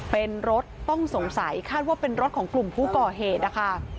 เป็นรถต้องสงสัยคาดว่าเป็นรถของกลุ่มผู้ก่อเหตุนะคะ